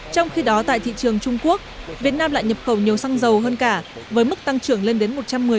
trong khi đó tại thị trường trung quốc việt nam lại nhập khẩu nhiều xăng dầu hơn cả với mức tăng trưởng lên đến một trăm một mươi